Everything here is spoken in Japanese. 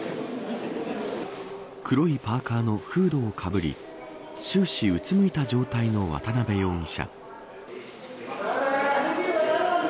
黒いパーカーのフードをかぶり終始うつむいた状態の渡辺容疑者。